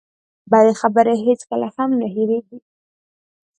بدې خبرې هېڅکله هم نه هېرېږي.